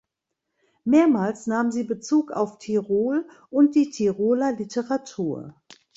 Mehrmals nahm sie Bezug auf Tirol und die Tiroler Literatur.